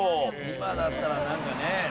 今だったらなんかね。